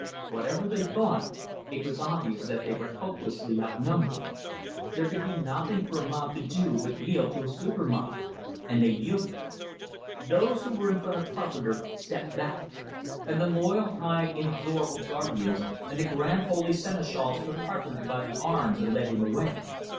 Whatever they thought, it was obvious that they were hopelessly outnumbered. There could be nothing for a mob to do but yield to a Super mob; and they yielded. Those who were in front of Carpenter stepped back, and the Loyal High Inexorable Guardians and the Grand Holy Seneschals took Carpenter by the arms and led him away.